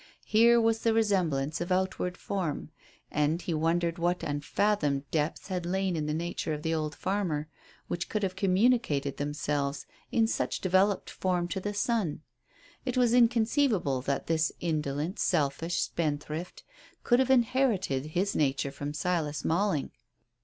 Here was the resemblance of outward form; and he wondered what unfathomed depths had lain in the nature of the old farmer which could have communicated themselves in such developed form to the son. It was inconceivable that this indolent, selfish spendthrift could have inherited his nature from Silas Malling.